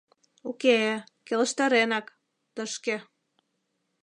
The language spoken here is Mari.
Уке-э, келыштаренак — тышке.